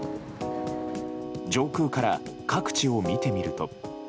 上空から各地を見てみると。